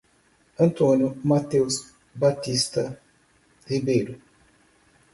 Antônio Mateus Batista Ribeiro